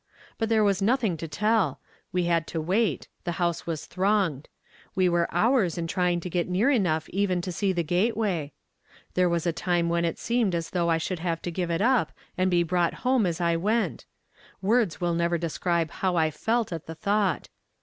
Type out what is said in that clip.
But there was nothing to tell. We had to wait. The house was thronged. We were hours in trying to get near enough even to see the gateway. There was a time when it seemed as though I should have to give it up and be brought home as I went. Words will never describe how I felt at the thought!